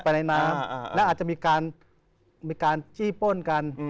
ในน้ำและอาจจะมีการจี้ป้นกัน